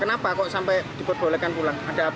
kenapa kok sampai dibolekan pulang ada apa